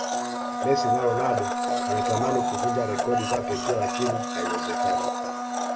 mess na ronaldo wanatamani kuvunja rekodi za pele lakini haiwezekani